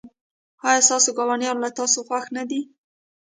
ایا ستاسو ګاونډیان له تاسو خوښ نه دي؟